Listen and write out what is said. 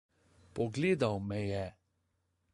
Pogledal me je.